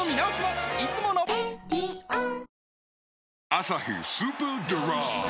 「アサヒスーパードライ」